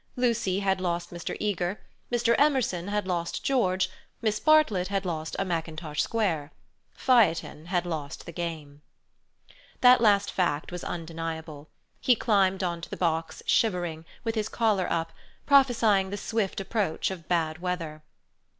Lucy had lost Mr. Eager. Mr. Emerson had lost George. Miss Bartlett had lost a mackintosh square. Phaethon had lost the game. That last fact was undeniable. He climbed on to the box shivering, with his collar up, prophesying the swift approach of bad weather.